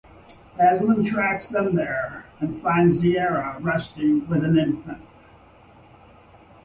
Hasslein tracks them there, and finds Zira resting with an infant.